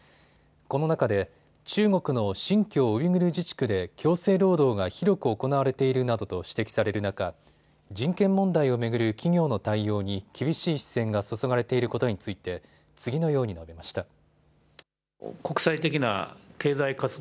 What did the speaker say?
この中で中国の新疆ウイグル自治区で強制労働が広く行われているなどと指摘される中、人権問題を巡る企業の対応に厳しい視線が注がれていることについて次のように述べました。